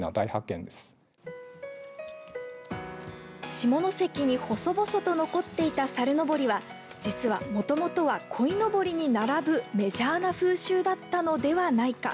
下関にほそぼそと残っていた猿のぼりは実はもともとはこいのぼりに並ぶメジャーな風習だったのではないか。